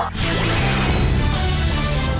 ถูก